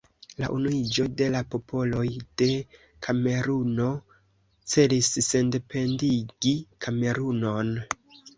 La Unuiĝo de la Popoloj de Kameruno celis sendependigi Kamerunon.